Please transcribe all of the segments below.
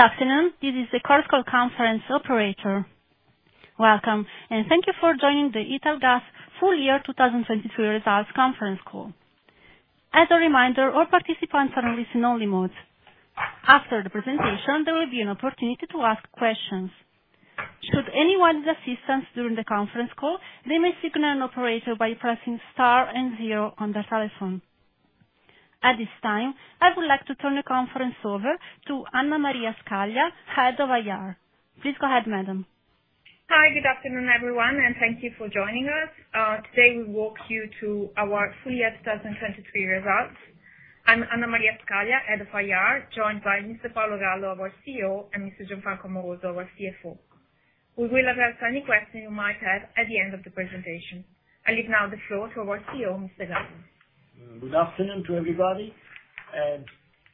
Good afternoon. This is the Chorus Call Conference operator. Welcome, and thank you for joining the Italgas Full Year 2022 Results Conference Call. As a reminder, all participants are in listen only mode. After the presentation, there will be an opportunity to ask questions. Should anyone need assistance during the conference call, they may signal an operator by pressing star and zero on their telephone. At this time, I would like to turn the conference over to Anna Maria Scaglia, Head of IR. Please go ahead, madam. Hi, good afternoon, everyone, and thank you for joining us. Today, we walk you through our full year 2023 results. I'm Anna Maria Scaglia, Head of IR, joined by Mr. Paolo Gallo, our CEO, and Mr. Gianfranco Amoroso, our CFO. We will address any questions you might have at the end of the presentation. I now leave the floor to our CEO, Mr. Gallo. Good afternoon to everybody, and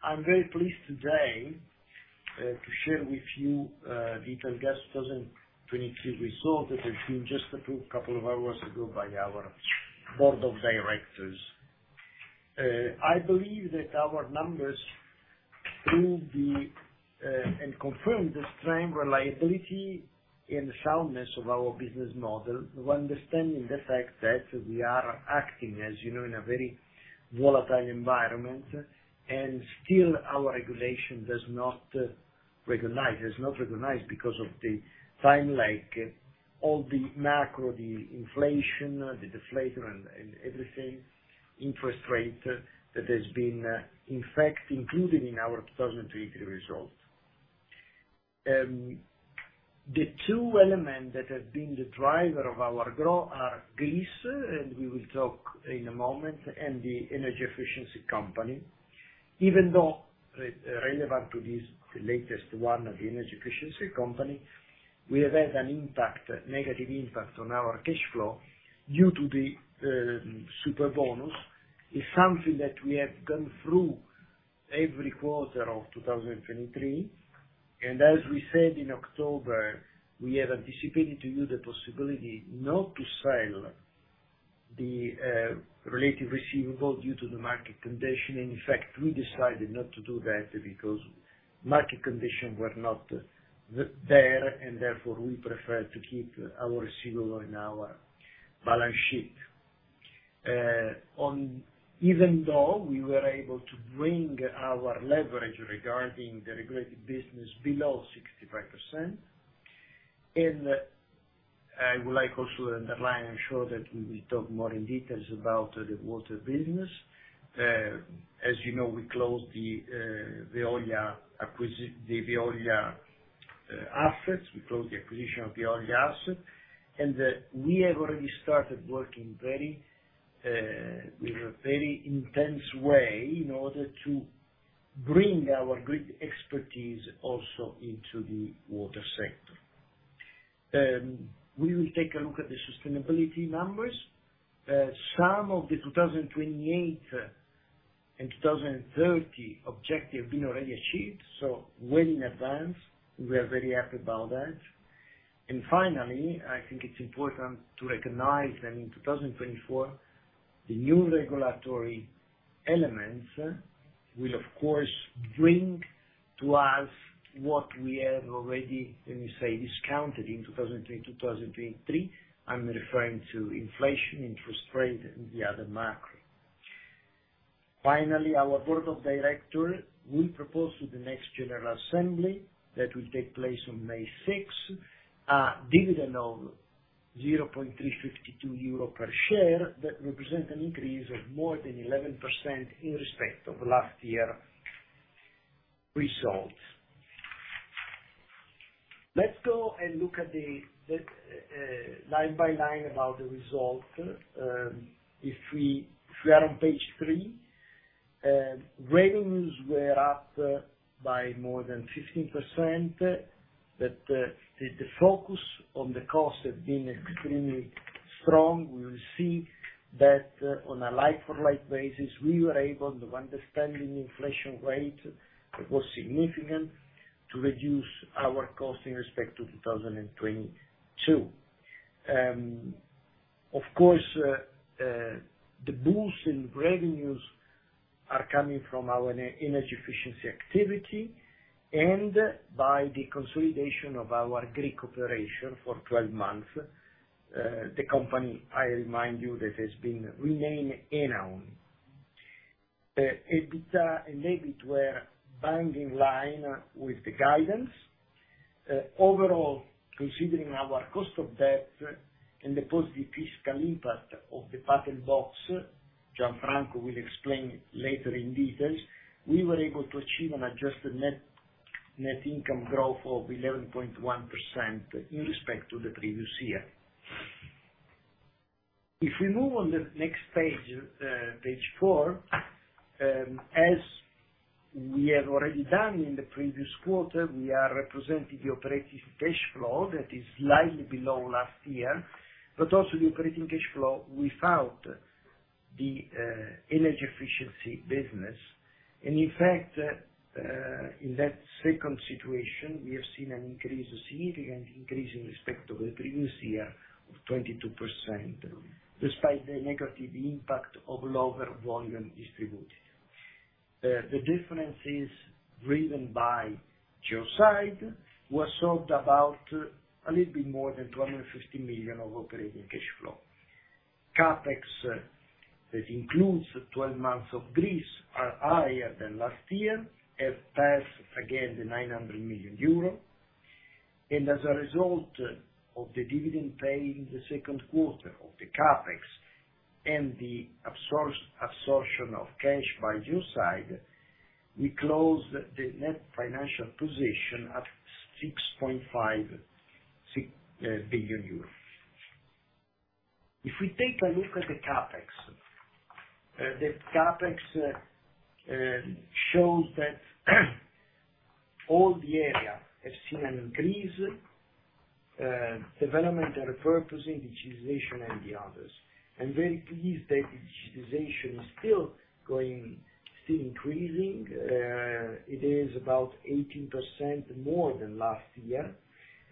I'm very pleased today to share with you the Italgas 2023 results, that have been just approved a couple of hours ago by our board of directors. I believe that our numbers prove the and confirm the strong reliability and soundness of our business model, while understanding the fact that we are acting, as you know, in a very volatile environment, and still our regulation does not recognize, does not recognize because of the time, like, all the macro, the inflation, the deflator, and, and everything, interest rate, that has been in fact included in our 2023 results. The two elements that have been the driver of our growth are Greece, and we will talk in a moment, and the energy efficiency company. Even though, relevant to this latest one, the energy efficiency company, we have had an impact, negative impact on our cash flow due to the Superbonus. It's something that we have gone through every quarter of 2023, and as we said in October, we have anticipated to you the possibility not to sell the related receivable due to the market condition. And in fact, we decided not to do that, because market conditions were not there, and therefore, we preferred to keep our receivable in our balance sheet. Even though we were able to bring our leverage regarding the regulated business below 65%, and I would like also to underline, I'm sure that we will talk more in details about the water business. As you know, we closed the Veolia acquisition, the Veolia assets. We closed the acquisition of Veolia assets, and, we have already started working very, with a very intense way in order to bring our grid expertise also into the water sector. We will take a look at the sustainability numbers. Some of the 2028 and 2030 objectives been already achieved, so well in advance. We are very happy about that. And finally, I think it's important to recognize that in 2024, the new regulatory elements will, of course, bring to us what we have already, let me say, discounted in 2020, 2023. I'm referring to inflation, interest rate, and the other macro. Finally, our board of directors will propose to the next general assembly, that will take place on May sixth, a dividend of 0.352 euro per share, that represent an increase of more than 11% in respect of last year results. Let's go and look at line by line about the results. If we are on page three, revenues were up by more than 15%, but the focus on the cost have been extremely strong. We will see that on a like for like basis, we were able to, understanding inflation rate, it was significant, to reduce our cost in respect to 2022. Of course, the boost in revenues are coming from our energy efficiency activity and by the consolidation of our Greek operation for 12 months. The company, I remind you, that has been renamed Enaon. EBITDA and EBIT were bang in line with the guidance. Overall, considering our cost of debt and the positive fiscal impact of the Patent Box, Gianfranco will explain later in details, we were able to achieve an adjusted net income growth of 11.1% in respect to the previous year. If we move on the next page, page four, as we have already done in the previous quarter, we are representing the operating cash flow, that is slightly below last year, but also the operating cash flow without the energy efficiency business. In fact, in that second situation, we have seen an increase, a significant increase in respect to the previous year... 22%, despite the negative impact of lower volume distributed. The difference is driven by Geoside, was sold about a little bit more than 250 million of operating cash flow. CAPEX that includes 12 months of Greece are higher than last year, have passed again the 900 million euro. And as a result of the dividend paid in the second quarter of the CAPEX and the absorption of cash by Geoside, we closed the net financial position at 6.5 billion euros. If we take a look at the CAPEX, the CAPEX shows that all the area has seen an increase, development and repurposing, digitization, and the others. I'm very pleased that digitization is still going, still increasing. It is about 18% more than last year,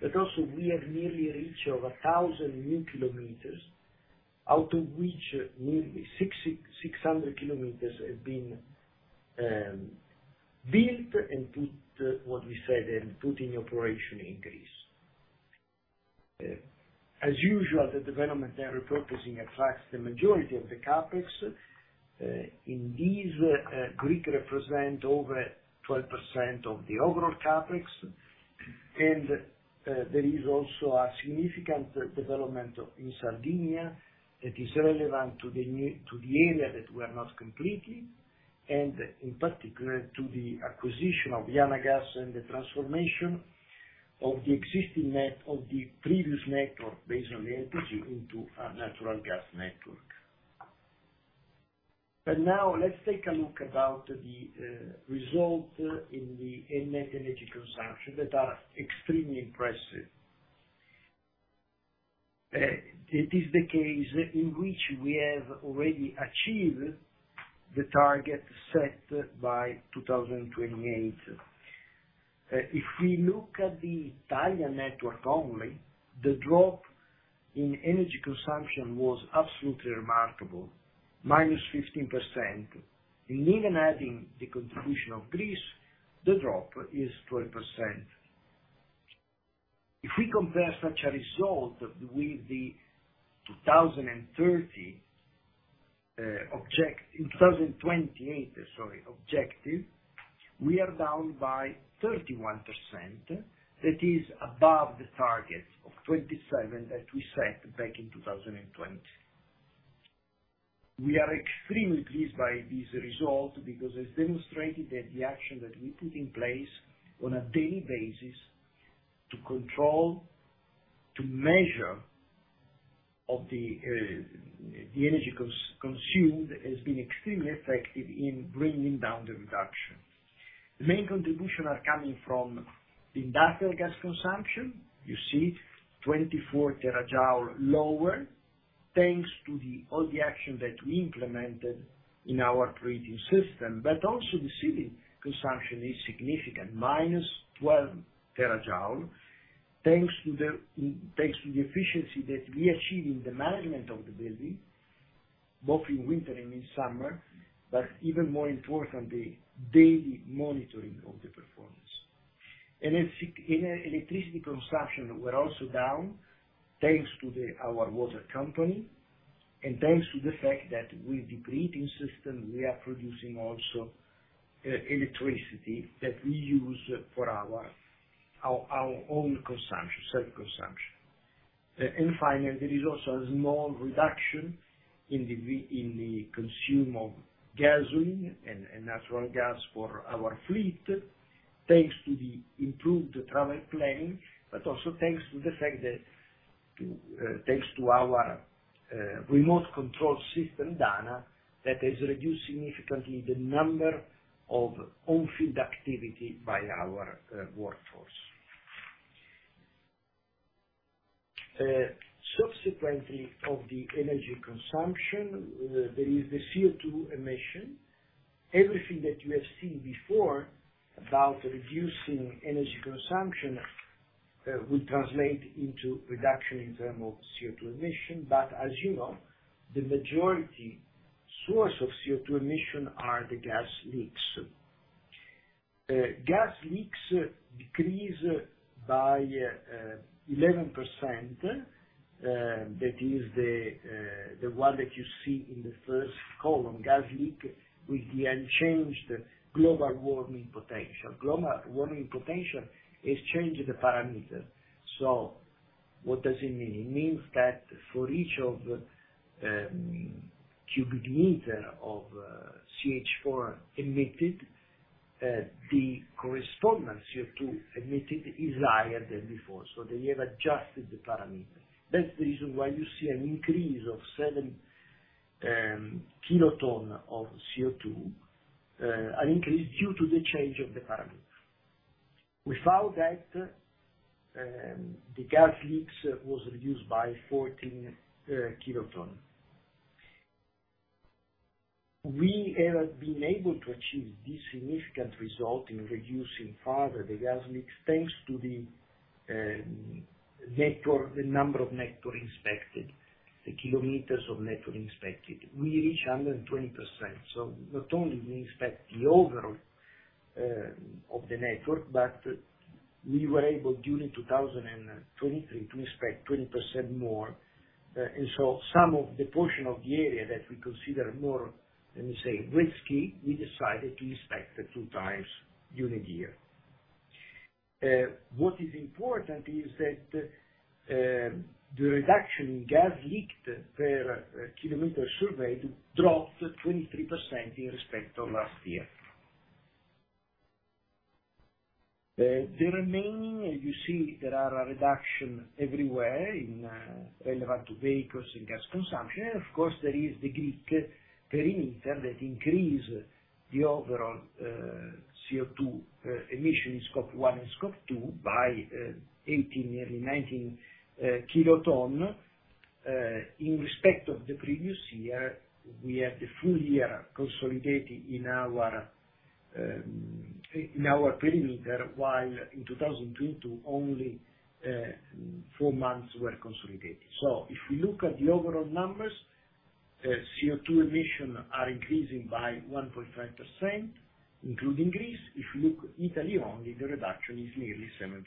but also we have nearly reached over 1,000 new kilometers, out of which, nearly 6,600Km have been built and put in operation in Greece. As usual, the development and repurposing attracts the majority of the CAPEX. In these, Greek represent over 12% of the overall CAPEX, and there is also a significant development in Sardinia, that is relevant to the area that we are not completely, and in particular, to the acquisition of Janagas and the transformation of the existing net, of the previous network, based on energy, into a natural gas network. But now let's take a look about the result in the net energy consumption, that are extremely impressive. It is the case in which we have already achieved the target set by 2028. If we look at the Italian network only, the drop in energy consumption was absolutely remarkable, -15%, and even adding the contribution of Greece, the drop is 12%. If we compare such a result with the 2028 objective, we are down by 31%. That is above the target of 27% that we set back in 2020. We are extremely pleased by this result, because it's demonstrated that the action that we put in place on a daily basis to control, to measure the energy consumed, has been extremely effective in bringing down the reduction. The main contribution are coming from the industrial gas consumption. You see 24 terajoules lower, thanks to all the actions that we implemented in our treating system, but also the city consumption is significant, -12 terajoules, thanks to the efficiency that we achieve in the management of the building, both in winter and in summer, but even more importantly, daily monitoring of the performance. And electricity consumption were also down, thanks to our water company, and thanks to the fact that with the treating system, we are producing also electricity that we use for our own consumption, self-consumption. And finally, there is also a small reduction in the consumption of gasoline and natural gas for our fleet, thanks to the improved travel planning, but also thanks to the fact that, thanks to our remote control system, DANA, that has reduced significantly the number of on-field activity by our workforce. Subsequently, of the energy consumption, there is the CO2 emission. Everything that you have seen before about reducing energy consumption will translate into reduction in terms of CO2 emission, but as you know, the majority source of CO2 emission are the gas leaks. Gas leaks decrease by 11%, that is the one that you see in the first column, Gas Leak, with the unchanged global warming potential. Global warming potential has changed the parameter. So what does it mean? It means that for each of cubic meter of CH4 emitted the corresponding CO2 emitted is higher than before, so they have adjusted the parameter. That's the reason why you see an increase of 7 kiloton of CO2. An increase due to the change of the parameter. Without that the gas leaks was reduced by 14 kiloton. We have been able to achieve this significant result in reducing further the gas leaks, thanks to the network, the number of network inspected, the kilometers of network inspected. We reach 120%, so not only we inspect the overall of the network, but we were able, during 2023, to inspect 20% more. And so some of the portion of the area that we consider more, let me say, risky, we decided to inspect it 2x during the year. What is important is that, the reduction in gas leaked per, kilometer surveyed dropped 23% in respect to last year. The remaining, you see, there are a reduction everywhere in, relevant to vehicles and gas consumption, and of course, there is the Greek perimeter that increase the overall, CO2, emission scope one and scope two by, 18, nearly 19, kiloton. In respect of the previous year, we have the full year consolidated in our, in our perimeter, while in 2022, only, four months were consolidated. So if we look at the overall numbers, CO2 emission are increasing by 1.5%, including Greece. If you look Italy only, the reduction is nearly 7%.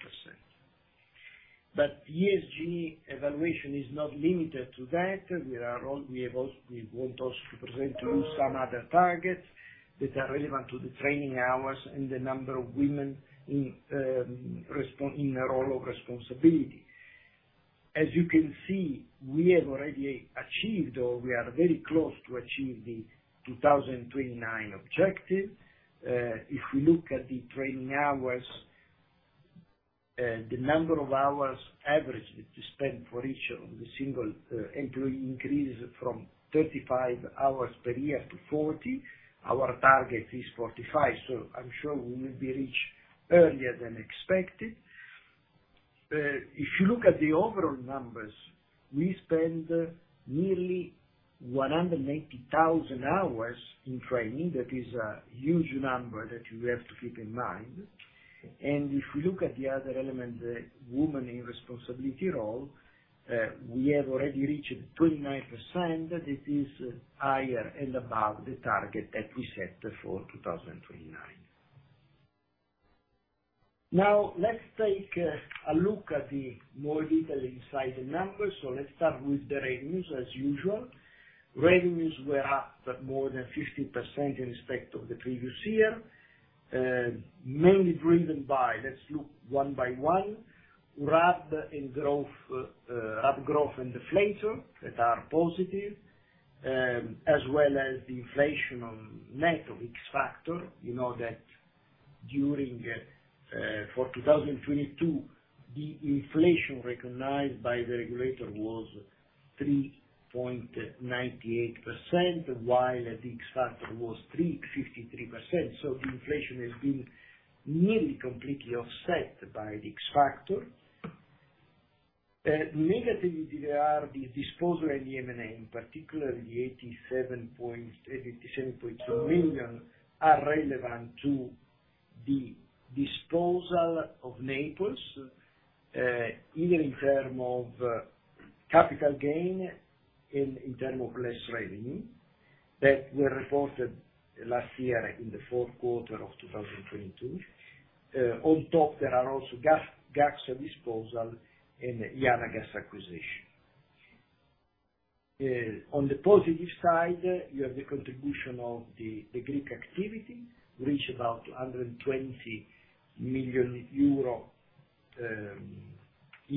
But ESG evaluation is not limited to that. We are all, we have also, we want also to present to you some other targets that are relevant to the training hours and the number of women in a role of responsibility. As you can see, we have already achieved, or we are very close to achieve the 2029 objective. If we look at the training hours, the number of hours averaged that we spent for each of the single employee increased from 35 hours per year to 40. Our target is 45, so I'm sure we will be reached earlier than expected. If you look at the overall numbers, we spend nearly 180,000 hours in training. That is a huge number that you have to keep in mind. And if you look at the other element, the women in responsibility role, we have already reached 29%. This is higher and above the target that we set for 2029. Now, let's take a look at the more detail inside the numbers. So let's start with the revenues as usual. Revenues were up by more than 15% in respect of the previous year, mainly driven by, let's look one by one, RAB and growth, RAB growth and deflator, that are positive, as well as the inflation on net of X factor. You know that during for 2022, the inflation recognized by the regulator was 3.98%, while the X Factor was 3.53%, so the inflation has been nearly completely offset by the X Factor. Negatively, there are the disposal and the M&A, in particular, 87.2 million are relevant to the disposal of Naples, either in terms of capital gain, in terms of less revenue, that were reported last year in the Q4 of 2022. On top, there are also gas, Gaxa disposal and 2i Rete Gas acquisition. On the positive side, you have the contribution of the Greek activity, which about 120 million euro in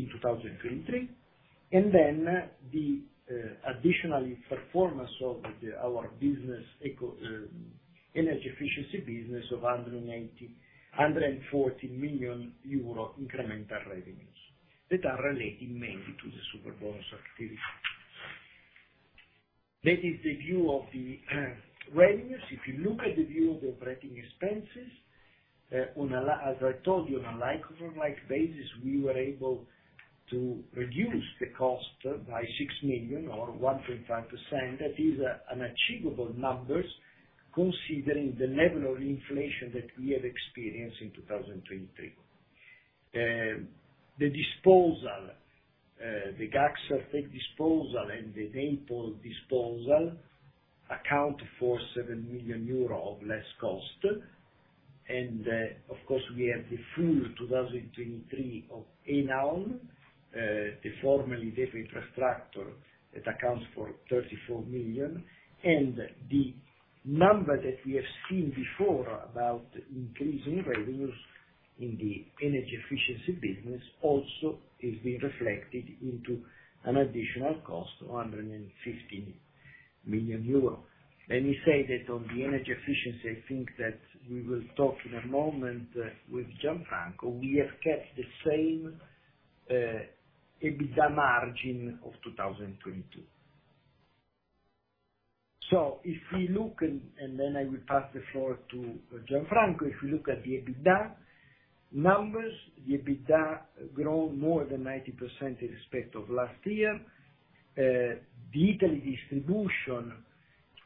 2023. And then the additional performance of our ESCo energy efficiency business of 140 million euro incremental revenues, that are relating mainly to the Superbonus activity. That is the view of the revenues. If you look at the view of the operating expenses, on a like-for-like basis, as I told you, we were able to reduce the cost by 6 million or 1.5%. That is an achievable numbers, considering the level of inflation that we have experienced in 2023. The disposal, the Gaxa Tech disposal and the Naples disposal account for 7 million euro of less cost. And of course, we have the full 2023 of Enaon, the formerly DEPA Infrastructure that accounts for 34 million. The number that we have seen before about increasing revenues in the energy efficiency business also is being reflected into an additional cost of 115 million euros. Let me say that on the energy efficiency, I think that we will talk in a moment with Gianfranco. We have kept the same EBITDA margin of 2022. So if we look, and then I will pass the floor to Gianfranco. If you look at the EBITDA numbers, the EBITDA grown more than 90% in respect of last year. The Italy distribution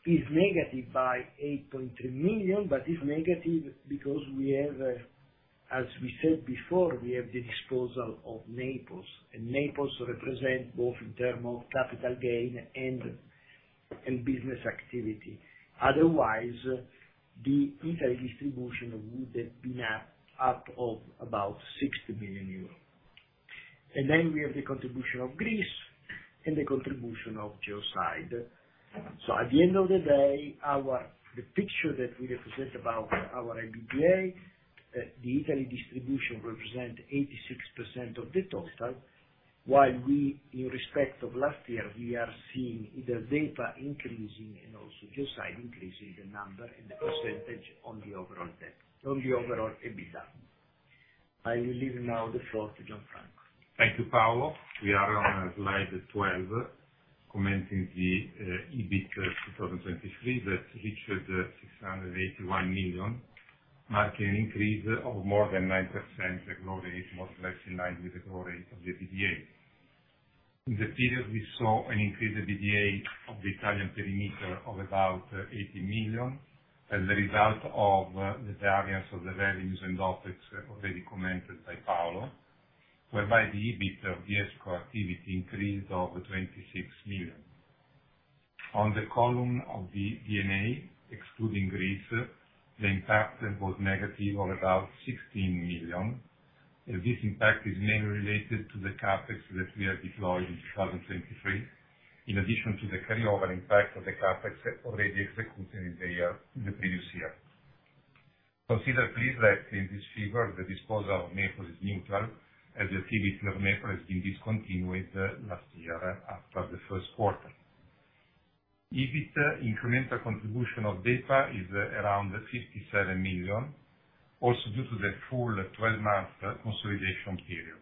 is negative by 8.3 million, but it's negative because we have, as we said before, we have the disposal of Naples, and Naples represent both in term of capital gain and business activity. Otherwise, the Italy distribution would have been up of about 60 million euros. And then we have the contribution of Greece and the contribution of Geoside. So at the end of the day, our the picture that we represent about our EBITDA, the Italy distribution represents 86% of the total, while we, in respect of last year, we are seeing either data increasing and also Geoside increasing the number and the percentage on the overall EBITDA, on the overall EBITDA. I will leave now the floor to Gianfranco. Thank you, Paolo. We are on slide 12, commenting the EBIT 2023, that reached 681 million, marking an increase of more than 9%, the growth rate more or less in line with the growth rate of the EBITDA. In the period, we saw an increase in EBITDA of the Italian perimeter of about 80 million, as a result of the variance of the revenues and costs already commented by Paolo, whereby the EBIT of the ESCo activity increased of 26 million. On the column of the D&A, excluding Greece, the impact was negative of about 16 million, and this impact is mainly related to the CAPEX that we have deployed in 2023, in addition to the carry-over impact of the CAPEX already executed in the year, in the previous year. Consider please that in this figure, the disposal of Naples is neutral, as the activity of Naples has been discontinued the last year after the first quarter. EBIT incremental contribution of D&A is around 57 million, also due to the full 12-month consolidation period.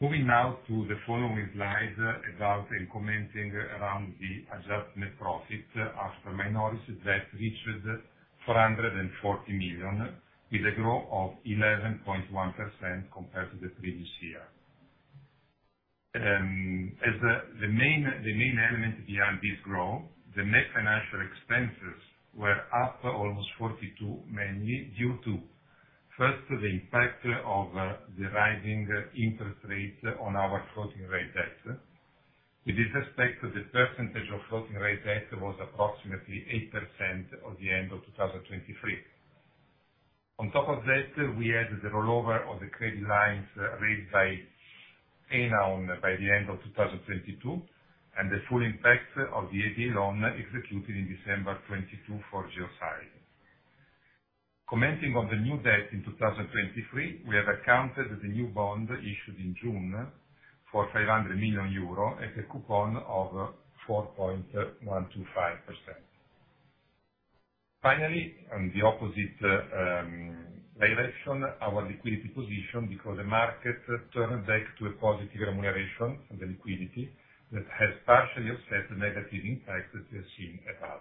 Moving now to the following slide about and commenting around the adjusted net profit, after my notice, that reached 440 million, with a growth of 11.1% compared to the previous year. As the main element behind this growth, the net financial expenses were up almost 42 million, mainly due to, first, the impact of the rising interest rate on our floating rate debt. In this respect, the percentage of floating rate debt was approximately 8% at the end of 2023. On top of that, we had the rollover of the credit lines raised by Enaon by the end of 2022, and the full impact of the EIB loan executed in December 2022 for Geoside. Commenting on the new debt in 2023, we have accounted the new bond issued in June for 500 million euro at a coupon of 4.125%. Finally, on the opposite direction, our liquidity position, because the market turned back to a positive remuneration on the liquidity, that has partially offset the negative impact that we have seen above.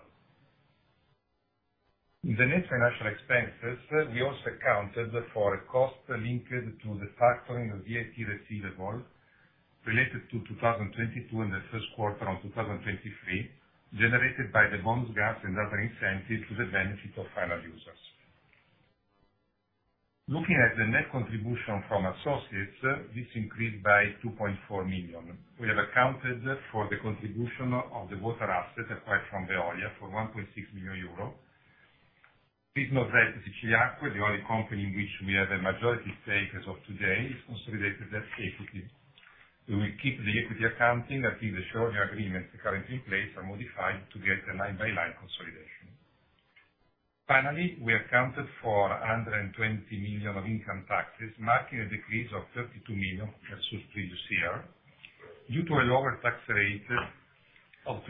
In the net financial expenses, we also accounted for a cost linked to the factoring of the AT receivables related to 2022 and the first quarter of 2023, generated by the bonus gap and other incentives to the benefit of final users. Looking at the net contribution from associates, this increased by 2.4 million. We have accounted for the contribution of the water asset acquired from Veolia for 1.6 million euro. Please note that Siciliacque, the only company in which we are the majority stake as of today, is consolidated as equity. We will keep the equity accounting until the shareholder agreements currently in place are modified to get a line-by-line consolidation. Finally, we accounted for 120 million of income taxes, marking a decrease of 32 million versus previous year, due to a lower tax rate of 20%,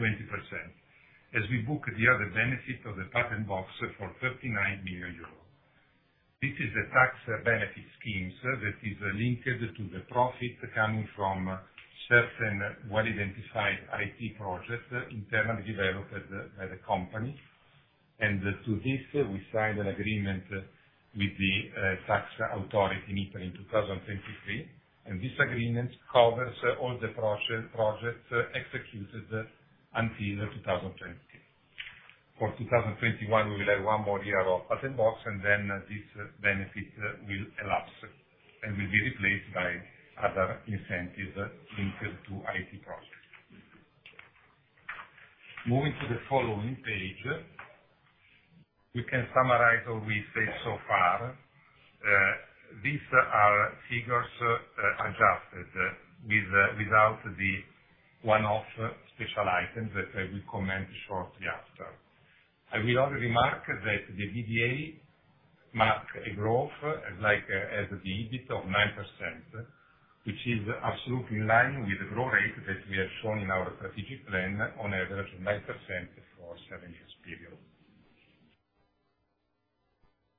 as we book the other benefit of the Patent Box for 39 million euros. This is a tax benefit schemes that is linked to the profit coming from certain well-identified IT projects internally developed by the company. To this, we signed an agreement with the tax authority in Italy in 2023, and this agreement covers all the projects executed until 2023. For 2021, we will have one more year of Patent Box, and then this benefit will elapse and will be replaced by other incentives linked to IT projects. Moving to the following page, we can summarize what we said so far. These are figures adjusted without the one-off special items that I will comment shortly after. I will also remark that the EBITDA marks a growth as well as the EBIT of 9%, which is absolutely in line with the growth rate that we have shown in our strategic plan, on average 9% for seven years period.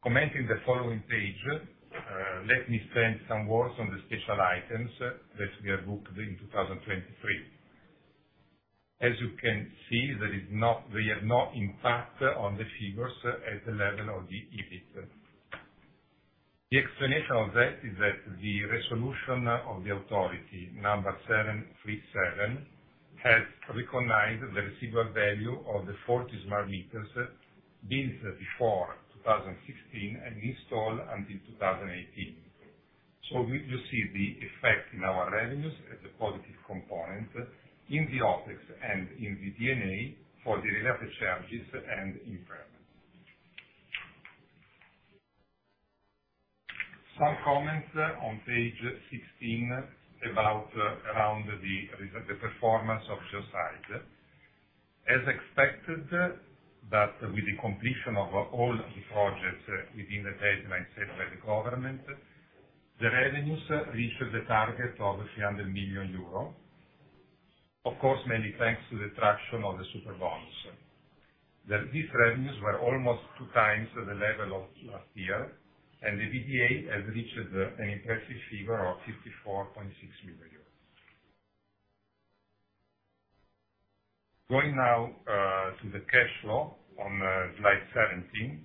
Commenting the following page, let me spend some words on the special items that we have booked in 2023. As you can see, there is not, they have no impact on the figures at the level of the EBIT. The explanation of that is that the resolution of the authority, number 737, has recognized the receivable value of the 40 smart meters built before 2016, and installed until 2018. So you see the effect in our revenues as a positive component in the OpEx and in the DNA for the related charges and impairment. Some comments on page sixteen about, around the performance of Geoside. As expected, with the completion of all the projects within the timeline set by the government, the revenues reached the target of 300 million euro, of course, mainly thanks to the traction of the Superbonus. These revenues were almost two times the level of last year, and the EBITDA has reached an impressive figure of 54.6 million euros. Going now to the cash flow on slide 17.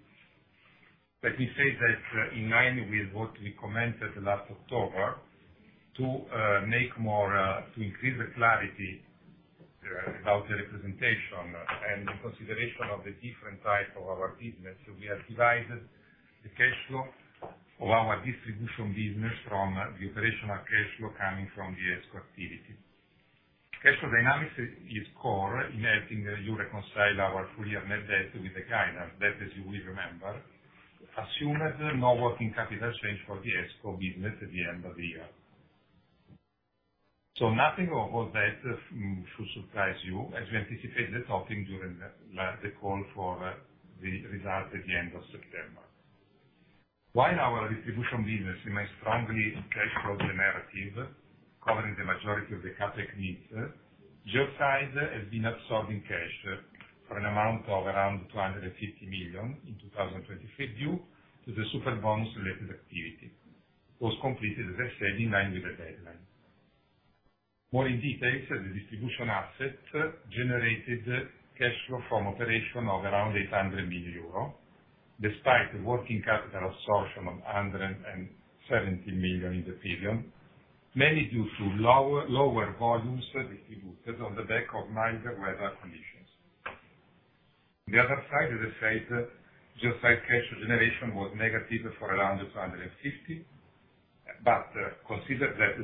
Let me say that in line with what we commented last October, to make more to increase the clarity about the representation and in consideration of the different types of our business, we have divided the cash flow of our distribution business from the operational cash flow coming from the ESCO activity. Cash flow dynamics is core in helping you reconcile our full year net debt with the guidance, that as you will remember, assumed no working capital change for the ESCo business at the end of the year. So nothing about that should surprise you, as we anticipated the topic during the last call for the results at the end of September. While our distribution business remains strongly cash flow generative, covering the majority of the CapEx needs, Geoside has been absorbing cash for an amount of around 250 million in 2023, due to the Superbonus related activity, was completed, as said, in line with the baseline. More in detail, the distribution assets generated cash flow from operation of around 800 million euro, despite working capital absorption of 170 million in the period, mainly due to lower volumes distributed on the back of mild weather conditions. On the other side, as I said, Geoside cash generation was negative for around 250 million, but consider that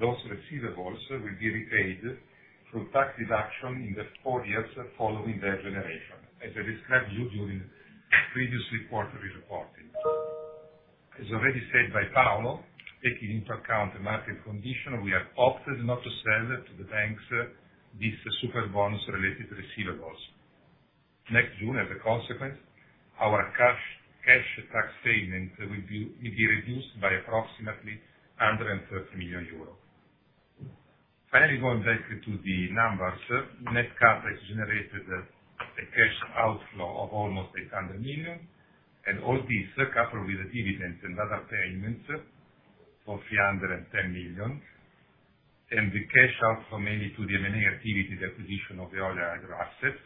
those receivables will be repaid through tax reduction in the four years following their generation, as I described you during the previous quarterly reporting. As already said by Paolo, taking into account the market condition, we have opted not to sell to the banks this Superbonus related receivables. Next June, as a consequence, our cash tax payment will be reduced by approximately 130 million euros. Finally, going back to the numbers, Netco has generated a cash outflow of almost 800 million, and all this, coupled with the dividends and other payments of 310 million, and the cash outflow mainly to the remaining activity, the acquisition of the Veolia asset,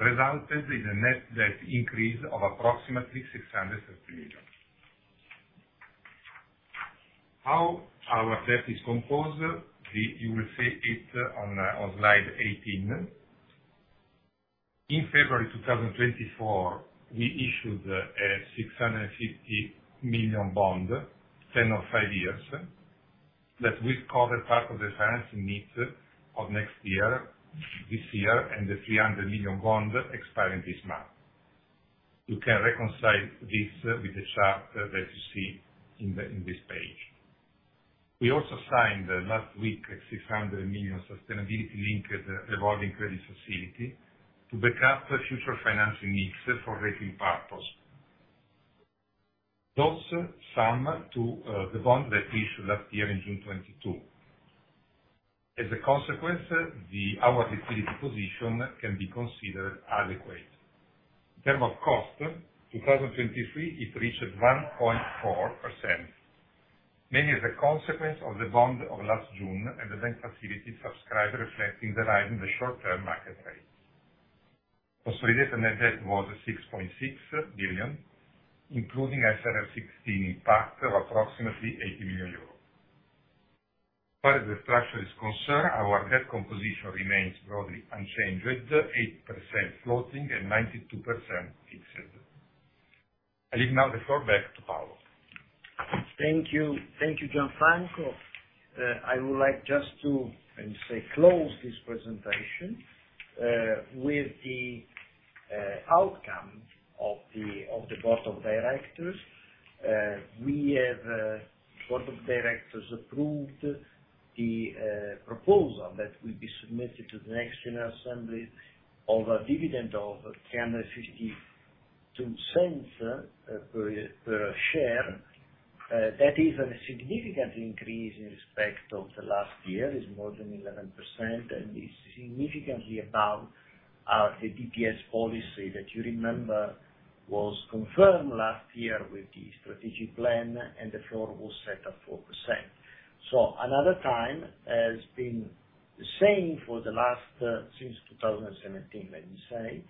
resulted in a net debt increase of approximately EUR 650 million. How our debt is composed, the... You will see it on, on slide 18. In February 2024, we issued a 650 million bond, ten or five years, that will cover part of the financing needs of next year, this year, and the 300 million bond expiring this month. You can reconcile this with the chart that you see in the, in this page. We also signed last week a 600 million sustainability-linked revolving credit facility to back up future financing needs for rating purposes. This sums to the bond that we issued last year in June 2022. As a consequence, our liquidity position can be considered adequate. In terms of cost, 2023, it reached 1.4%, mainly as a consequence of the bond of last June, and the bank facility subscribed, reflecting the rise in the short-term market rate. Consolidated net debt was 6.6 billion, including IFRS 16 impact of approximately 80 million euros. As far as the structure is concerned, our debt composition remains broadly unchanged, 8% floating and 92% fixed. I leave now the floor back to Paolo. Thank you. Thank you, Gianfranco. I would like just to, let me say, close this presentation, with the outcome of the board of directors. We have Board of directors approved the proposal that will be submitted to the next general assembly of a dividend of 3.52 per share. That is a significant increase in respect of the last year, is more than 11%, and is significantly above. the DPS policy that you remember was confirmed last year with the strategic plan, and the floor was set at 4%. So another time, has been the same for the last, since 2017, let me say.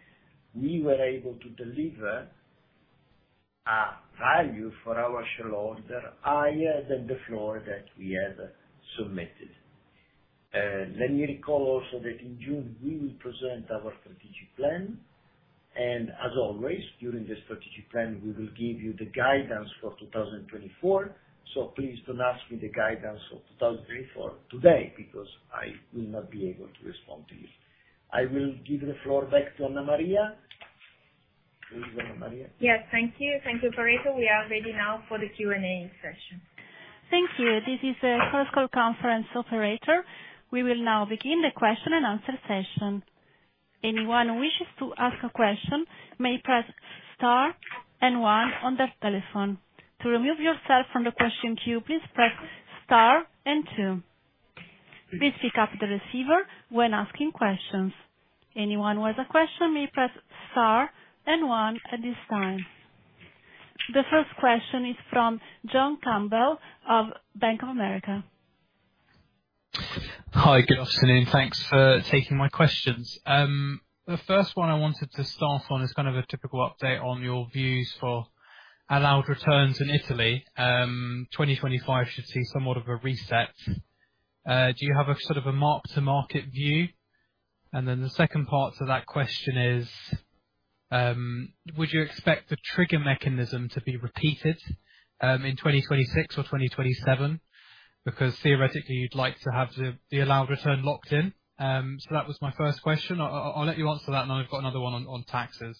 We were able to deliver a value for our shareholder higher than the floor that we have submitted. Let me recall also that in June, we will present our strategic plan, and as always, during the strategic plan, we will give you the guidance for 2024. So please don't ask me the guidance of 2024 today, because I will not be able to respond to you. I will give the floor back to Anna Maria. Please, Anna Maria. Yes. Thank you. Thank you, operator. We are ready now for the Q&A session. Thank you. This is the teleconference operator. We will now begin the question and answer session. Anyone who wishes to ask a question, may press star and one on their telephone. To remove yourself from the question queue, please press star and two. Please pick up the receiver when asking questions. Anyone with a question, may press star and one at this time. The first question is from John Campbell of Bank of America. Hi, good afternoon. Thanks for taking my questions. The first one I wanted to start on is kind of a typical update on your views for allowed returns in Italy. Twenty twenty-five should see somewhat of a reset. Do you have a sort of a mark-to-market view? And then the second part to that question is, would 2027? Because theoretically, you'd like to have the, the allowed return locked in. So that was my first question. I'll let you answer that, and then I've got another one on, on taxes.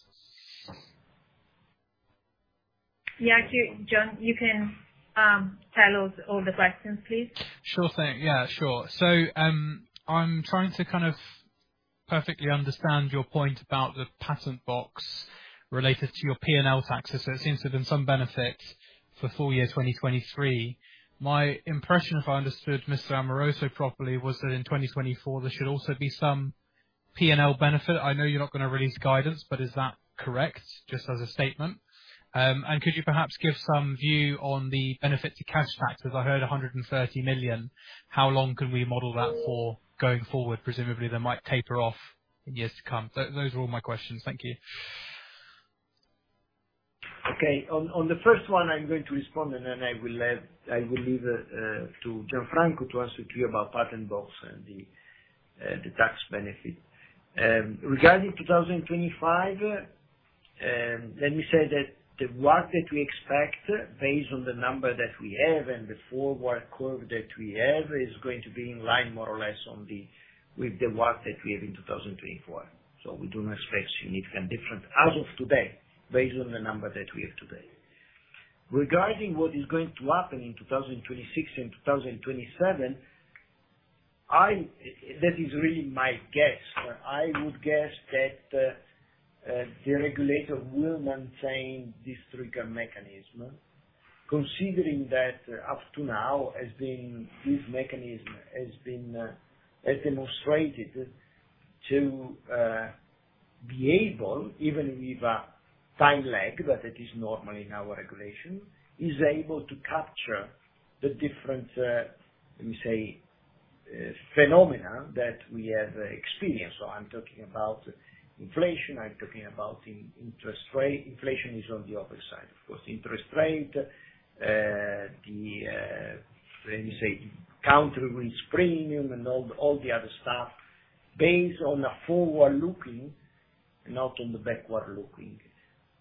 Yeah, thank you, John. You can tell us all the questions, please. Sure thing. Yeah, sure. So, I'm trying to kind of perfectly understand your point about the Patent Box related to your P&L taxes. So it seems to have been some benefit for full year 2023. My impression, if I understood Mr. Amoroso properly, was that in 2024, there should also be some P&L benefit. I know you're not gonna release guidance, but is that correct? Just as a statement. And could you perhaps give some view on the benefit to cash tax, as I heard 130 million, how long can we model that for going forward? Presumably, that might taper off in years to come. So those are all my questions. Thank you. Okay. On the first one, I'm going to respond, and then I will leave to Gianfranco to answer to you about Patent Box and the tax benefit. Regarding 2025, let me say that the work that we expect, based on the number that we have and the forward curve that we have, is going to be in line more or less with the work that we have in 2024. So we do not expect significant different, as of today, based on the number that we have today. Regarding what is going to happen in 2026 and 2027, I... That is really my guess. I would guess that the regulator will maintain this trigger mechanism, considering that up to now this mechanism has demonstrated to be able, even with a time lag, but that is normal in our regulation, to capture the different, let me say, phenomena that we have experienced. So I'm talking about inflation, I'm talking about interest rate. Inflation is on the other side, of course, interest rate, the country risk premium and all, all the other stuff, based on a forward-looking, not on the backward-looking.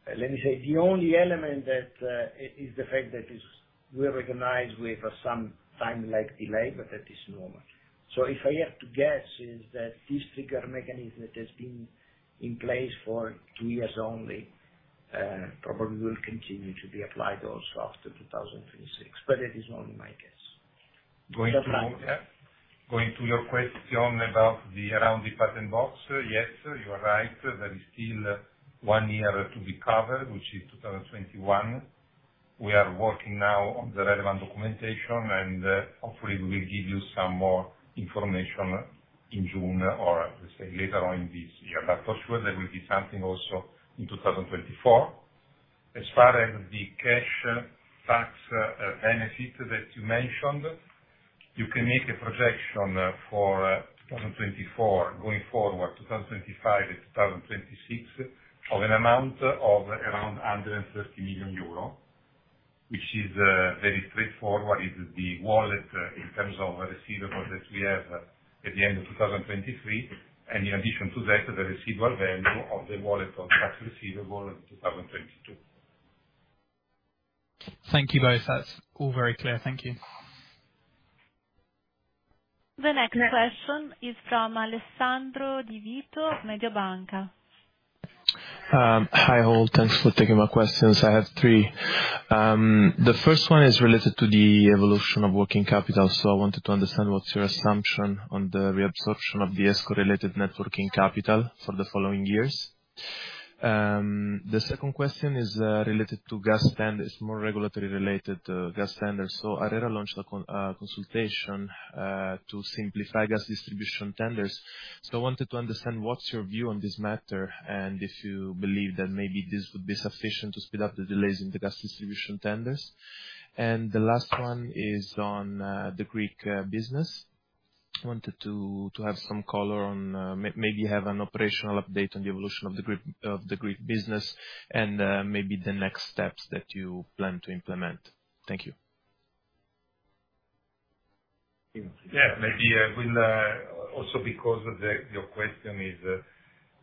Let me say, the only element that is the fact that we recognize we have some time lag delay, but that is normal. So if I have to guess, is that this trigger mechanism that has been in place for two years only, probably will continue to be applied also after 2026, but it is only my guess. Going to your question about the, around the Patent Box. Yes, you are right. There is still one year to be covered, which is 2021. We are working now on the relevant documentation, and, hopefully, we will give you some more information in June, or let's say, later on in this year. But for sure, there will be something also in 2024. As far as the cash tax benefit that you mentioned, you can make a projection for 2024 going forward, 2025 and 2026, of an amount of around 130 million euro, which is very straightforward. It's the wallet in terms of receivables that we have at the end of 2023. In addition to that, the receivable value of the wallet of tax receivable in 2022. Thank you both. That's all very clear. Thank you. The next question is from Alessandro Di Vito, Mediobanca. Hi, all. Thanks for taking my questions. I have three. The first one is related to the evolution of working capital. So I wanted to understand, what's your assumption on the reabsorption of the ESCO-related net working capital for the following years? The second question is related to gas tenders, more regulatory related, gas tenders. So I wanted to understand what's your view on this matter, and if you believe that maybe this would be sufficient to speed up the delays in the gas distribution tenders? And the last one is on the Greek business. I wanted to have some color on, maybe have an operational update on the evolution of the Greek business, and maybe the next steps that you plan to implement. Thank you. Yeah, maybe I will, also because your question is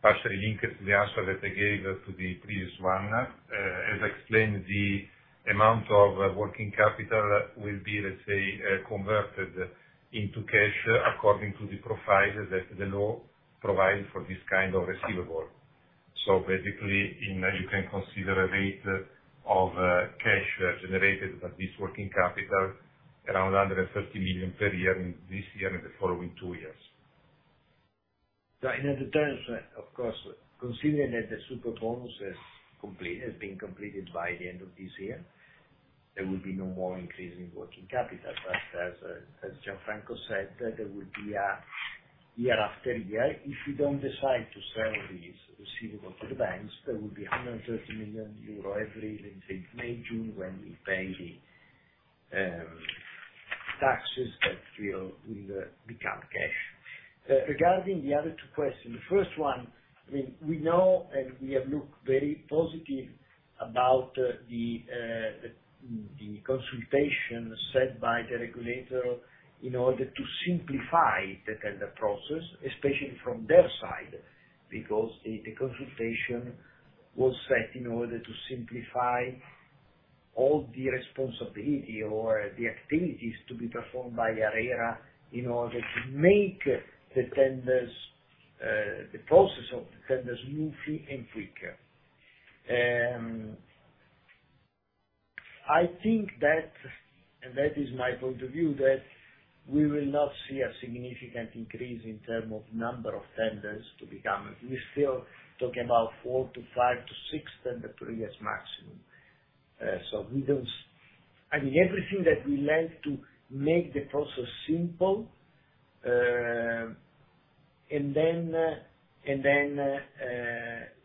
partially linked to the answer that I gave to the previous one. As explained, the amount of working capital will be, let's say, converted into cash, according to the profile that the law provides for this kind of receivable. So basically, you can consider a rate of cash generated by this working capital, around 130 million per year, in this year and the following two years. So in other terms, of course, considering that the Superbonus is complete, has been completed by the end of this year, there will be no more increase in working capital. But as Gianfranco said, there will be a year after year, if we don't decide to sell these receivables to the banks, there will be 130 million euro every, let's say, May, June, when we pay the taxes that will become cash. Regarding the other two questions, the first one, I mean, we know and we have looked very positive about the consultation set by the regulator in order to simplify the tender process, especially from their side. Because the consultation was set in order to simplify all the responsibility or the activities to be performed by ARERA, in order to make the tenders the process of the tenders smoothly and quicker. I think that, and that is my point of view, that we will not see a significant increase in term of number of tenders to become. We still talking about 4 to 5 to 6 tender per year is maximum. So we don't... I mean, everything that we like to make the process simple, and then, and then,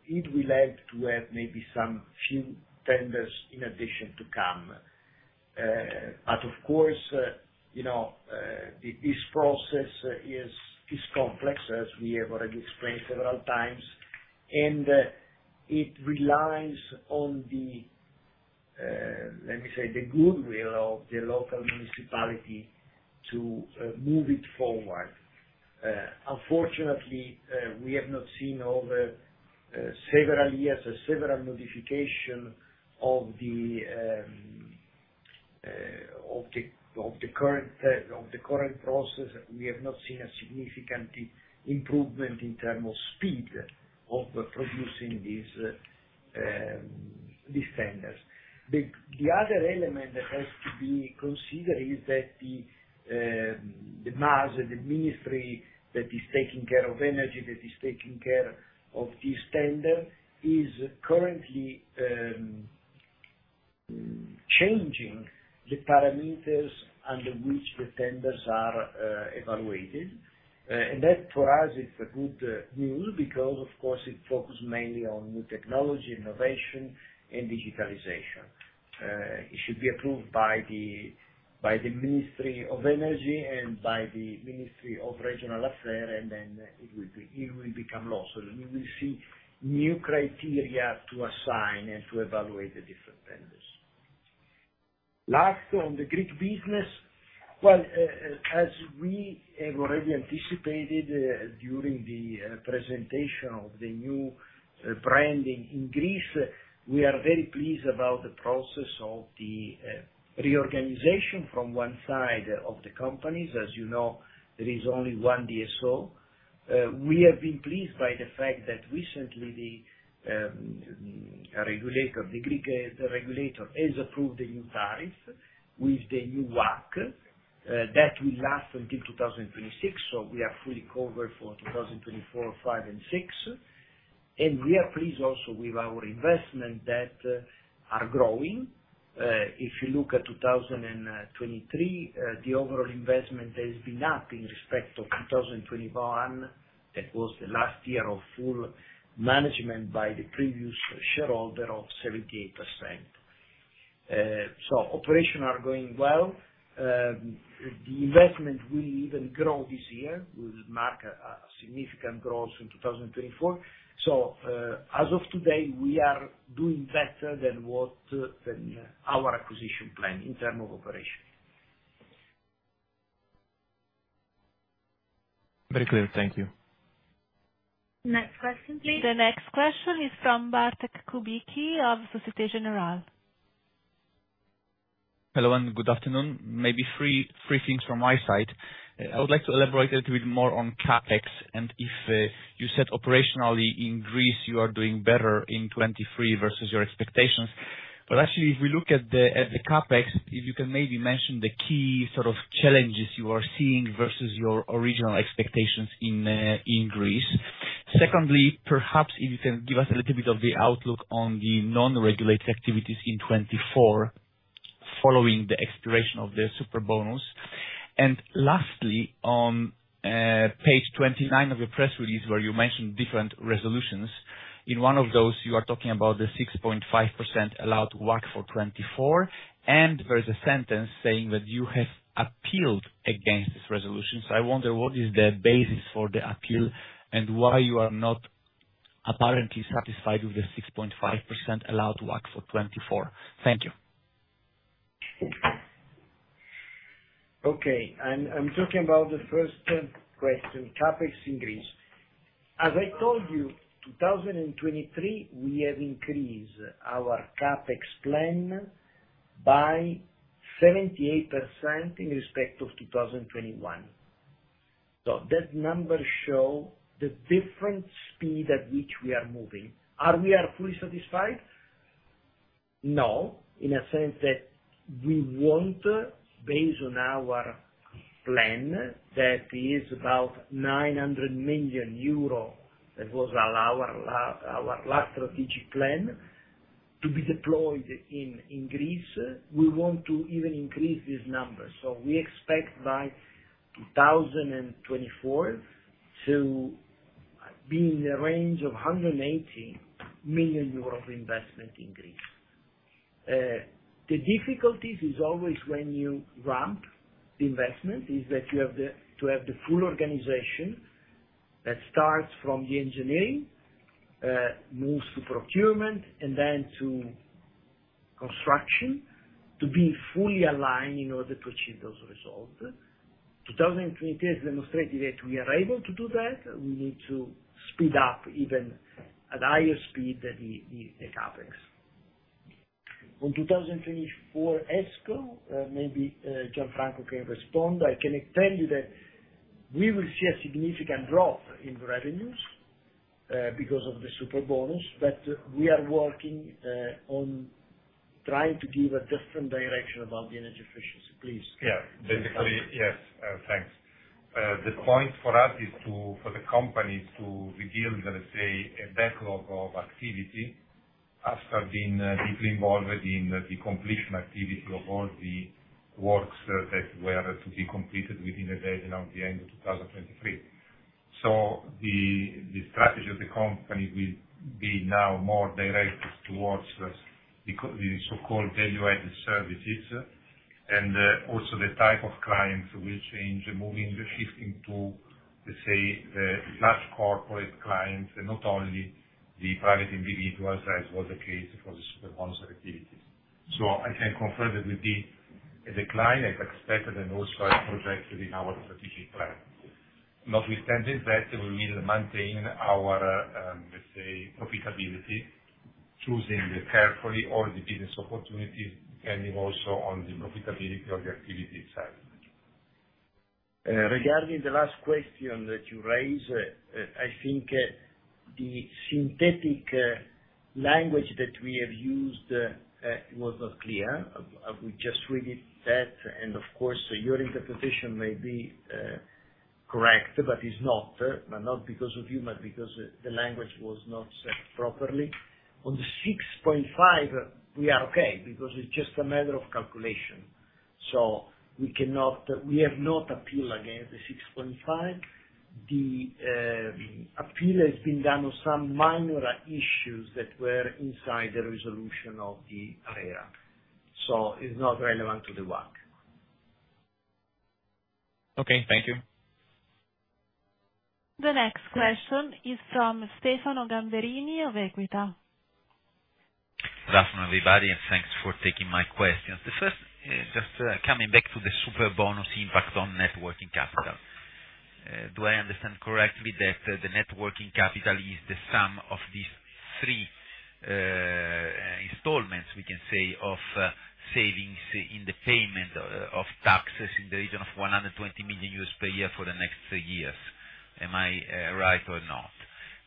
it will like to have maybe some few tenders in addition to come. But of course, you know, this process is complex, as we have already explained several times, and it relies on the, let me say, the goodwill of the local municipality to move it forward. Unfortunately, we have not seen over several years several modification of the current process. We have not seen a significant improvement in term of speed of producing these tenders. The other element that has to be considered is that the MASE, the ministry that is taking care of energy, that is taking care of this tender, is currently changing the parameters under which the tenders are evaluated. And that, for us, is a good news because, of course, it focuses mainly on new technology, innovation, and digitalization. It should be approved by the, by the Ministry of Energy and by the Ministry of Regional Affairs, and then it will be, it will become law. So you will see new criteria to assign and to evaluate the different tenders. Last, on the Greek business, well, as we have already anticipated, during the presentation of the new branding in Greece, we are very pleased about the process of the reorganization from one side of the companies. As you know, there is only one DSO. We have been pleased by the fact that recently the regulator, the Greek regulator, has approved the new tariffs with the new WACC. That will last until 2026, so we are fully covered for 2024, 2025, and 2026. And we are pleased also with our investment that are growing. If you look at 2023, the overall investment has been up in respect of 2021. That was the last year of full management by the previous shareholder of 78%. So operations are going well. The investment will even grow this year. We will mark a significant growth in 2024. So, as of today, we are doing better than what, than our acquisition plan in term of operation. Very clear. Thank you. Next question, please. The next question is from Bartek Kubicki of Société Générale. Hello, and good afternoon. Maybe three, three things from my side. I would like to elaborate a little bit more on CAPEX, and if you said operationally in Greece, you are doing better in 2023 versus your expectations. But actually, if we look at the CapEx, if you can maybe mention the key sort of challenges you are seeing versus your original expectations in Greece. Secondly, perhaps if you can give us a little bit of the outlook on the non-regulated activities in 2024, following the expiration of the Superbonus. And lastly, on page 29 of your press release, where you mentioned different resolutions, in one of those, you are talking about the 6.5% allowed WACC for 2024, and there is a sentence saying that you have appealed against this resolution. So I wonder what is the basis for the appeal, and why you are not apparently satisfied with the 6.5% allowed WACC for 2024? Thank you. Okay, I'm talking about the first question, CapEx in Greece. As I told you, 2023, we have increased our CapEx plan by 78% in respect of 2021. So that number show the different speed at which we are moving. Are we are fully satisfied? No, in a sense that we want, based on our plan, that is about 900 million euro, that was our last, our last strategic plan, to be deployed in Greece. We want to even increase this number, so we expect by 2024 to be in the range of 180 million euros of investment in Greece. The difficulties is always when you ramp the investment, is that you have the... to have the full organization, that starts from the engineering, moves to procurement, and then to construction, to be fully aligned in order to achieve those results. 2023 has demonstrated that we are able to do that. We need to speed up even at higher speed, the CapEx. On 2024 ESCO, maybe Gianfranco can respond. I can tell you that we will see a significant drop in revenues, because of the Superbonus, but we are working on trying to give a different direction about the energy efficiency. Please. Yeah. Basically, yes, thanks. The point for us is to, for the company, is to rebuild, let us say, a backlog of activity, after being deeply involved in the completion activity of all the works, that were to be completed within a date around the end of 2023. So the strategy of the company will be now more directed towards the so-called value-added services, and also the type of clients will change, moving, shifting to, let's say, large corporate clients, and not only the private individuals, as was the case for the Superbonus activity. So I can confirm there will be a decline, as expected, and also as projected in our strategic plan. Notwithstanding that, we will maintain our, let's say, profitability, choosing carefully all the business opportunities, and also on the profitability of the activity side. Regarding the last question that you raised, I think, the synthetic language that we have used was not clear. We just read it that, and of course, your interpretation may be correct, but it's not. But not because of you, but because the language was not set properly. On the 6.5, we are okay, because it's just a matter of calculation. So we cannot, we have not appeal against the 6.5. The appeal has been done on some minor issues that were inside the resolution of the ARERA, so it's not relevant to the WACC. Okay, thank you. The next question is from Stefano Gamberini of Equita. Good afternoon, everybody, and thanks for taking my questions. The first, just, coming back to the Superbonus impact on net working capital. Do I understand correctly that the net working capital is the sum of these three installments, we can say, of savings in the payment of taxes in the region of $120 million per year for the next three years? Am I right or not?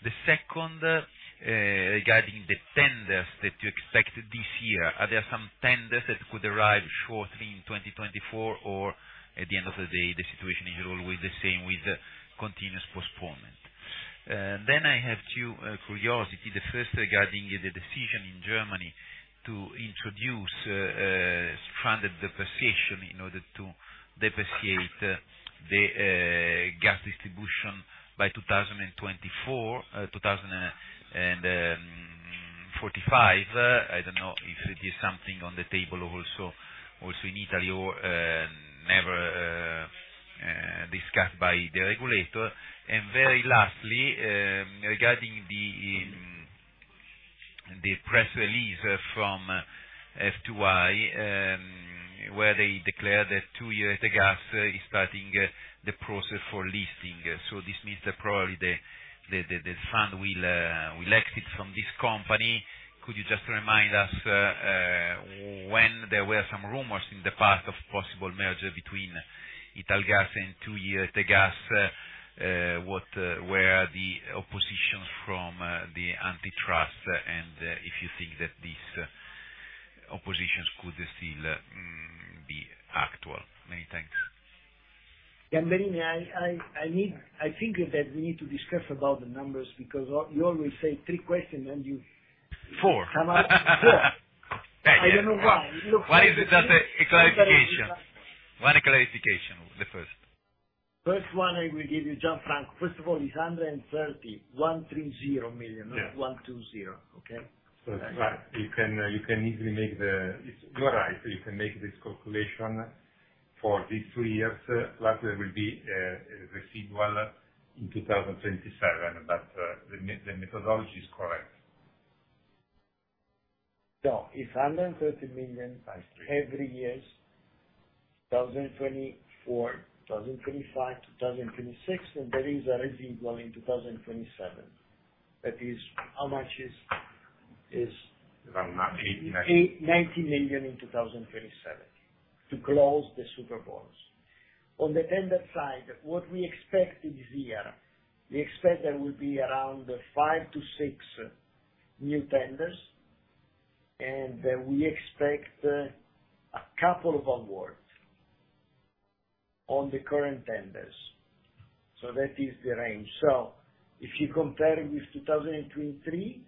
The second, regarding the tenders that you expect this year, are there some tenders that could arrive shortly in 2024, or at the end of the day, the situation is always the same, with continuous postponement? Then I have two curiosity. The first, regarding the decision in Germany to introduce funded depreciation in order to depreciate the gas distribution by 2024-2045. I don't know if it is something on the table also in Italy or never discussed by the regulator. And very lastly, regarding the press release from F2i, where they declared that 2i Rete Gas is starting the process for listing. So this means that probably the fund will exit from this company. Could you just remind us when there were some rumors in the past of possible merger between Italgas and 2i Rete Gas, what were the oppositions from the antitrust, and if you think that these oppositions could still be actual? Many thanks. Yeah, Berini,I think that we need to discuss about the numbers, because you only say three questions, and you- Four. Four. I don't know why. Why is it that a clarification? One clarification, the first. First one, I will give you, Gianfranco. First of all, it's 130 million. Yeah. Not 1, 2, 0. Okay? So that's right. You are right. You can make this calculation for these three years. Lastly, there will be a residual in 2027, but the methodology is correct. So it's 130 million by every years, 2024, 2025, 2026, and there is a residual in 2027. That is, how much is, is- Around 90 million. 890 million in 2027, to close the Superbonus. On the tender side, what we expect this year, we expect there will be around five to six new tenders, and, we expect, a couple of awards on the current tenders. So that is the range. So if you compare with 2023,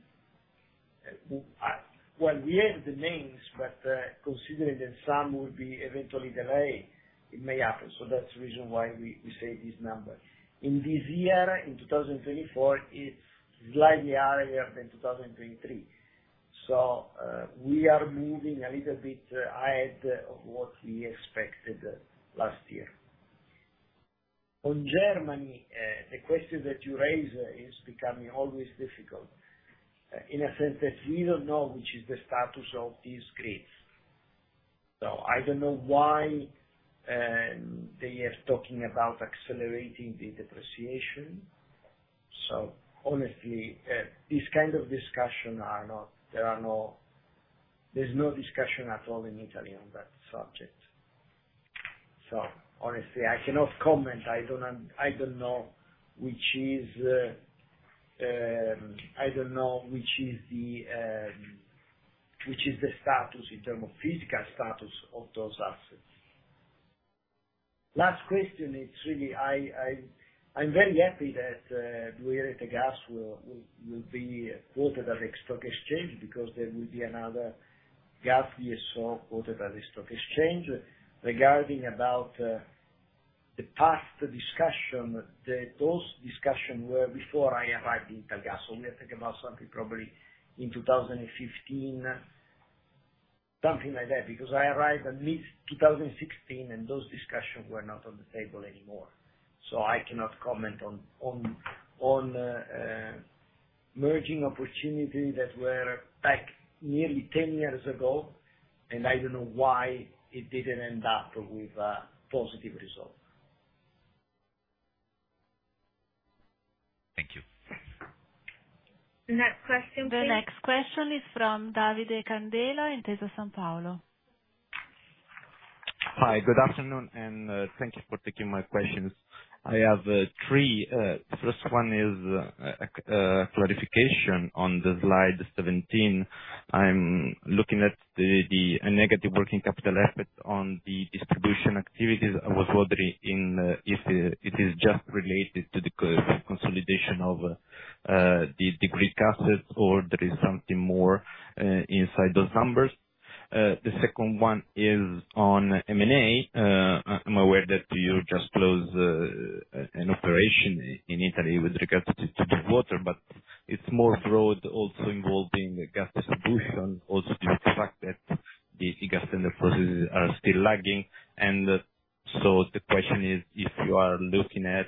well, we have the names, but, considering that some will be eventually delayed, it may happen. So that's the reason why we, we say this number. In this year, in 2024, it's slightly higher than 2023. So, we are moving a little bit, ahead of what we expected last year. On Germany, the question that you raised is becoming always difficult, in a sense that we don't know which is the status of these grids. So I don't know why they are talking about accelerating the depreciation. So honestly, there are no discussions at all in Italy on that subject. So honestly, I cannot comment. I don't know which is the status in terms of physical status of those assets. Last question, it's really. I'm very happy that 2i Rete Gas will be quoted at the stock exchange, because there will be another gas ESCo quoted at the stock exchange. Regarding about the past discussion, those discussions were before I arrived in Italgas. We are talking about something probably in 2015, something like that, because I arrived in mid-2016, and those discussions were not on the table anymore. So I cannot comment on merger opportunities that were back nearly ten years ago, and I don't know why it didn't end up with a positive result. Thank you. The next question, please. The next question is from Davide Candela, Intesa Sanpaolo. Hi, good afternoon, and thank you for taking my questions. I have three. First one is a clarification on the slide 17. I'm looking at the negative working capital aspect on the distribution activities. I was wondering if it is just related to the consolidation of the Greek assets, or there is something more inside those numbers? The second one is on M&A. I'm aware that you just closed an operation in Italy with regard to the water, but it's more broad, also involving gas distribution, also due to the fact that the e-gas and the processes are still lagging. And so the question is, if you are looking at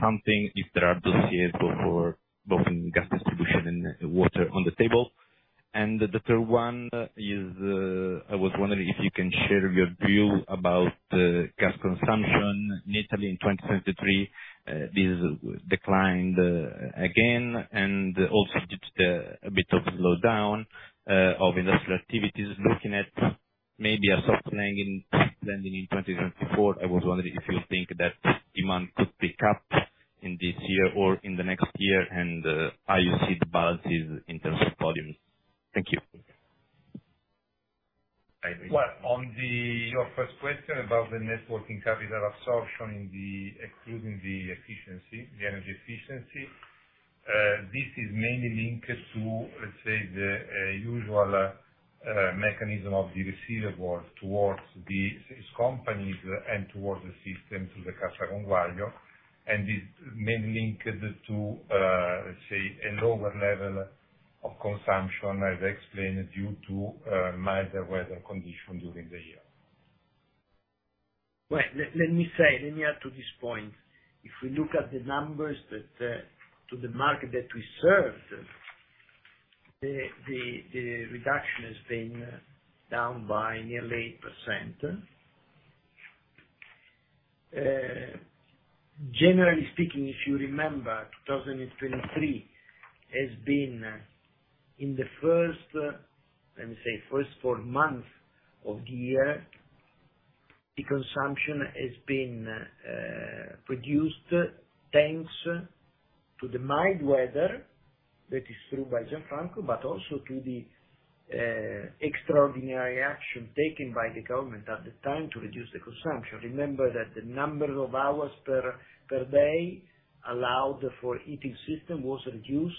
something, if there are dossiers for both in gas distribution and water on the table. The third one is, I was wondering if you can share your view about gas consumption in Italy in 2023. This declined again, and also due to a bit of slowdown of industrial activities. Looking at maybe a soft landing in 2024, I was wondering if you think that demand could pick up in this year or in the next year, and how you see the balances in terms of volumes? Thank you. Your first question about the net working capital absorption in the, including the efficiency, the energy efficiency, this is mainly linked to, let's say, the usual mechanism of the receivables towards these companies, and towards the system, to the Cassa Conguaglio, and it's mainly linked to, say, a lower level of consumption, as I explained, due to milder weather conditions during the year. Well, let me say, let me add to this point. If we look at the numbers that to the market that we serve, the reduction has been down by nearly 8%, generally speaking, if you remember, 2023 has been in the first, let me say, first four months of the year, the consumption has been produced, thanks to the mild weather, that is true by Gianfranco, but also to the extraordinary action taken by the government at the time to reduce the consumption. Remember that the number of hours per day allowed for heating system was reduced.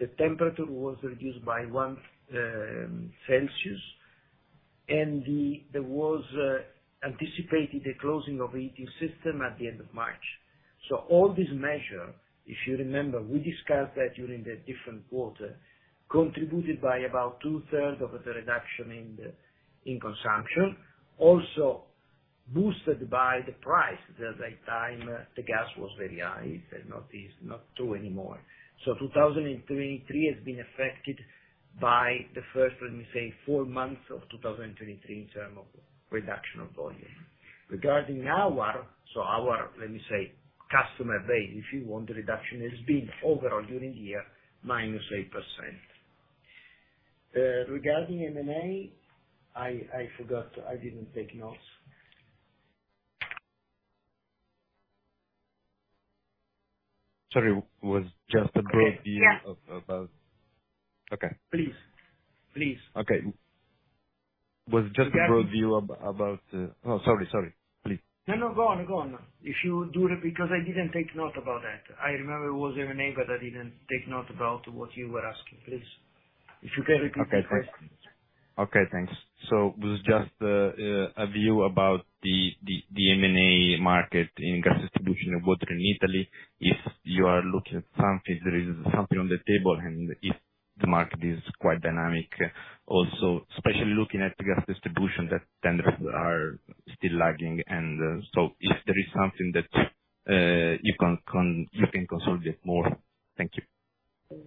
The temperature was reduced by one Celsius, and there was anticipated the closing of heating system at the end of March. So all these measures, if you remember, we discussed that during the different quarters, contributed by about two-thirds of the reduction in the, in consumption, also boosted by the price. At that time, the gas was very high, but it is not true anymore. So 2023 has been affected by the first, let me say, four months of 2023, in terms of reduction of volume. Regarding our, so our, let me say, customer base, if you want, the reduction has been overall during the year, -8%. Regarding M&A, I forgot, I didn't take notes. Sorry, was just a broad view- Yeah. About... Okay. Please, please. Okay. Yeah. A broad view about. Oh, sorry, sorry. Please. No, no, go on, go on. If you do it, because I didn't take note about that. I remember it was your name, but I didn't take note about what you were asking, please. If you can repeat the question. Okay, thanks. Okay, thanks. So was just a view about the M&A market in gas distribution and water in Italy, if you are looking at something, there is something on the table, and if the market is quite dynamic, also, especially looking at the gas distribution, that tenders are still lagging, and so if there is something that you can consolidate more. Thank you.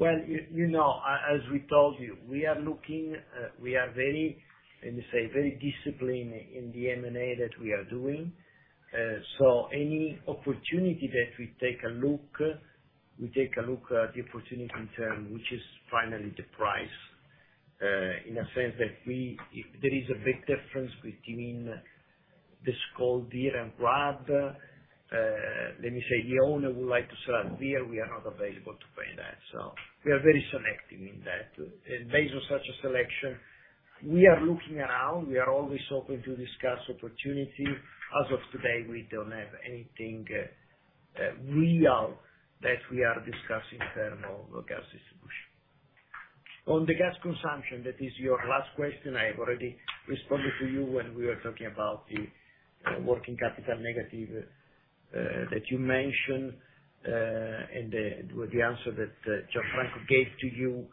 Well, you know, as we told you, we are looking, we are very, let me say, very disciplined in the M&A that we are doing. So any opportunity that we take a look, we take a look at the opportunity in term, which is finally the price, in a sense that weIf there is a big difference between the, let me say, the owner would like to sell it there, we are not available to pay that. So we are very selective in that. Based on such a selection, we are looking around. We are always open to discuss opportunity. As of today, we don't have anything, real, that we are discussing in term of gas distribution. On the gas consumption, that is your last question. I have already responded to you when we were talking about the working capital negative that you mentioned, and with the answer that Gianfranco gave to you.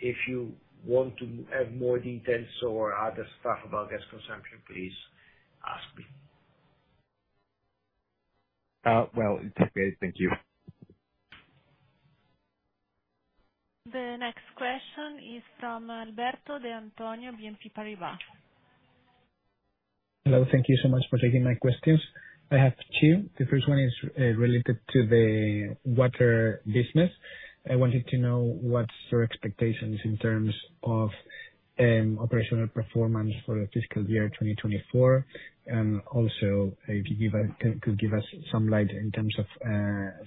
If you want to have more details or other stuff about gas consumption, please ask me. Well, it's okay. Thank you. The next question is from Alberto De Antonio, BNP Paribas. Hello. Thank you so much for taking my questions. I have two. The first one is related to the water business. I wanted to know what's your expectations in terms of operational performance for the fiscal year 2024, and also, if you could give us some light in terms of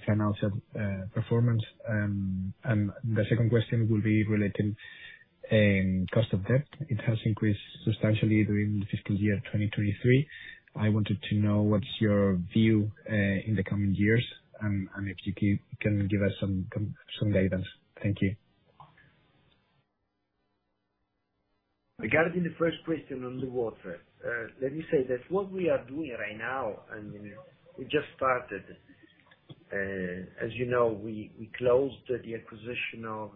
financial performance. The second question will be relating to cost of debt. It has increased substantially during the fiscal year 2023. I wanted to know what's your view in the coming years, and if you can give us some guidance. Thank you. Regarding the first question on the water, let me say that what we are doing right now, and we just started, as you know, we closed the acquisition of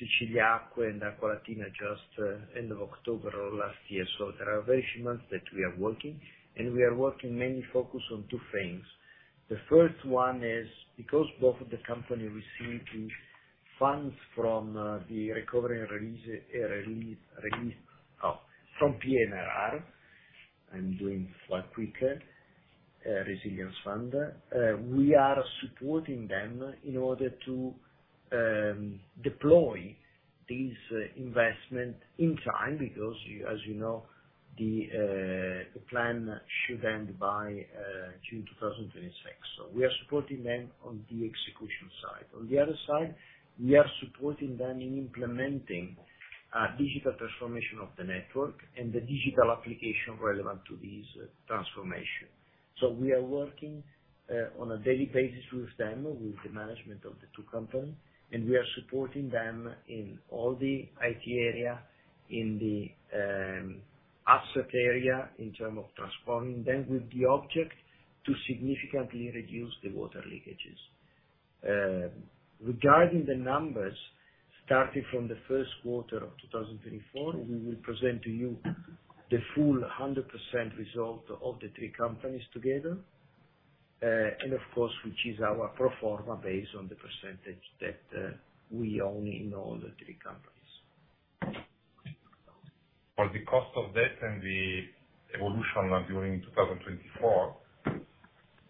Siciliacque and Acqualatina, just end of October last year. So there are very few months that we are working, and we are working mainly focused on two things. The first one is, because both of the company receiving funds from the recovery and resilience from PNRR, I'm doing quite quicker resilience fund, we are supporting them in order to deploy this investment in time, because you, as you know, the plan should end by June 2026. So we are supporting them on the execution side. On the other side, we are supporting them in implementing a digital transformation of the network and the digital application relevant to this transformation. So we are working on a daily basis with them, with the management of the two company, and we are supporting them in all the IT area, in the asset area, in term of transforming them with the object to significantly reduce the water leakages. Regarding the numbers, starting from the first quarter of 2024, we will present to you the full 100% result of the three companies together. And of course, which is our pro forma based on the percentage that we own in all the three companies. For the cost of debt and the evolution during 2024,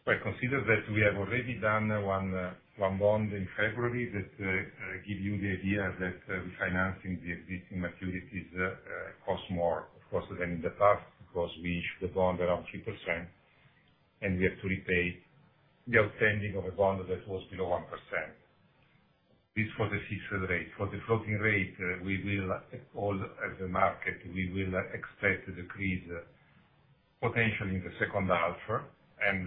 I consider that we have already done one bond in February that give you the idea that refinancing the existing maturities cost more, of course, than in the past, because we issued the bond around 3%, and we have to repay the outstanding of a bond that was below 1%. This for the fixed rate. For the floating rate, we will follow as the market, we will expect a decrease potentially in the second half. And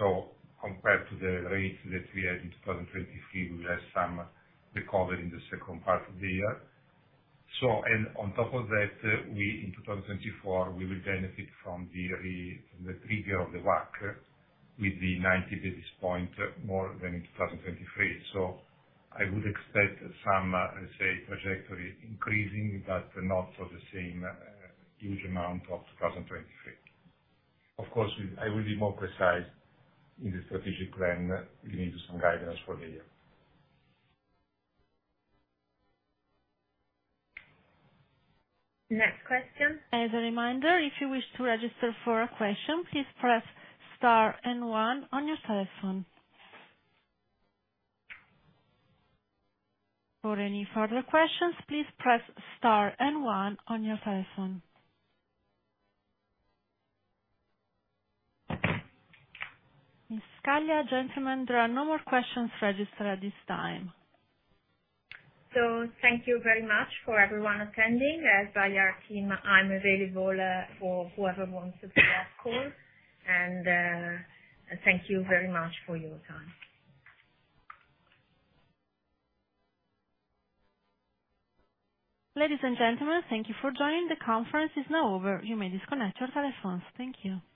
so compared to the rate that we had in 2023, we have some recovery in the second part of the year. So, and on top of that, we in 2024, we will benefit from the trigger of the WACC with the 90 basis point more than in 2023. So I would expect some, let's say, trajectory increasing, but not of the same huge amount of 2023. Of course, we- I will be more precise in the strategic plan giving you some guidance for the year. Next question. As a reminder, if you wish to register for a question, please press star and one on your telephone. For any further questions, please press star and one on your telephone. Ms. Scaglia, gentlemen, there are no more questions registered at this time. Thank you very much for everyone attending. As per our team, I'm available for whoever wants to stay after call. Thank you very much for your time. Ladies and gentlemen, thank you for joining. The conference is now over. You may disconnect your telephones. Thank you.